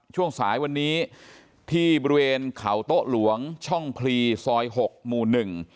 ช่วงสายวันนี้ที่บริเวณเขาโต๊ะหลวงช่องพลีซอยหกหมู่หนึ่ง